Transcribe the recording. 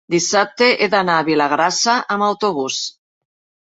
dissabte he d'anar a Vilagrassa amb autobús.